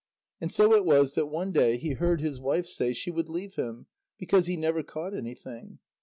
And so it was that one day he heard his wife say she would leave him, because he never caught anything.